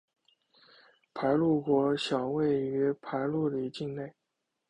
排路国小位于排路里境内。